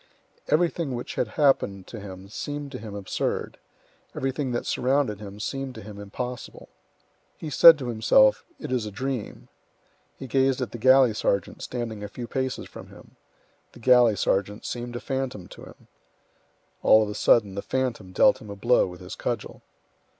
Everything which had happened to him seemed to him absurd; everything that surrounded him seemed to him impossible. He said to himself, "It is a dream." He gazed at the galley sergeant standing a few paces from him; the galley sergeant seemed a phantom to him. All of a sudden the phantom dealt him a blow with his cudgel.